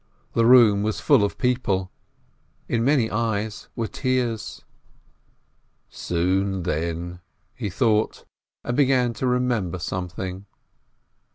The room was full of people. In many eyes were tears. "Soon, then," he thought, and began to remember something.